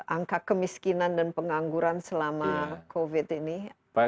angka kemiskinan dan pengangguran selama covid ini ada dampaknya